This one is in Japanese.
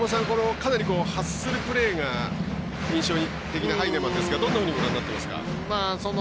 かなりハッスルプレーが印象的なハイネマンですがどんなふうにご覧になってますか。